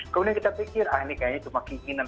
kemudian kita pikir ah ini kayaknya cuma keinginan